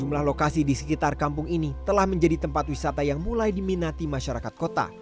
sejumlah lokasi di sekitar kampung ini telah menjadi tempat wisata yang mulai diminati masyarakat kota